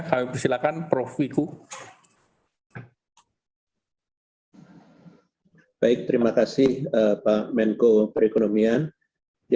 terima kasih pak menko perekonomiannya terima kasih pak menko perekonomiannya